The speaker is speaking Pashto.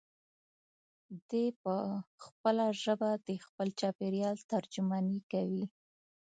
دی په خپله ژبه د خپل چاپېریال ترجماني کوي.